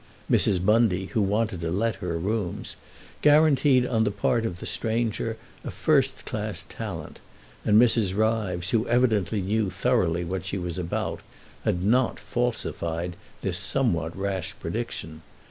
Mrs. Bundy, who wanted to let her rooms, guaranteed on the part of the stranger a first class talent, and Mrs. Ryves, who evidently knew thoroughly what she was about, had not falsified this somewhat rash prediction.